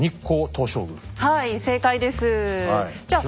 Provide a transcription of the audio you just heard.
はい正解です。